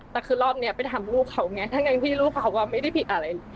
แต่คือรอบนี้ไปทำลูกเขาไงทั้งที่ลูกเขาก็ไม่ได้ผิดอะไร